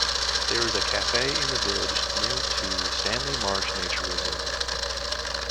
There is a cafe in the village near to Stanley Marsh nature reserve.